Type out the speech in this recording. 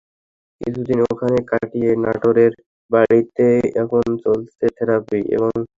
কিছুদিন ওখানে কাটিয়ে নাটোরের বাড়িতেই এখন চলছে থেরাপি এবং আনুষঙ্গিক চিকিৎসা।